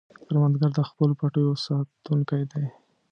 کروندګر د خپلو پټیو ساتونکی دی